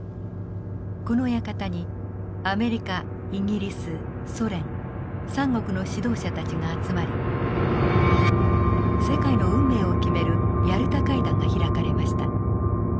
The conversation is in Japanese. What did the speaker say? この館にアメリカイギリスソ連３国の指導者たちが集まり世界の運命を決めるヤルタ会談が開かれました。